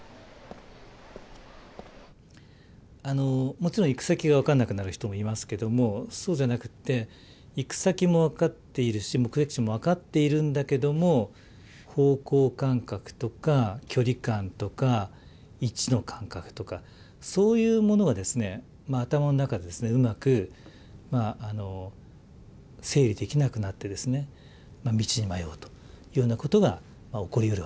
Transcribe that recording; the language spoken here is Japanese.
もちろん行く先が分からなくなる人もいますけどもそうじゃなくって行く先も分かっているし目的地も分かっているんだけども方向感覚とか距離感とか位置の感覚とかそういうものが頭の中でうまく整理できなくなって道に迷うというようなことが起こりうるわけです。